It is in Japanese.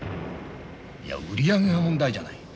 いや売り上げの問題じゃない。